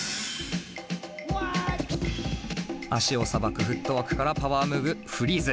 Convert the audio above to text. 足をさばくフットワークからパワームーブフリーズ。